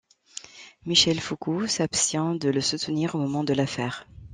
Michel Foucault s'abstient de le soutenir au moment de l'affaire.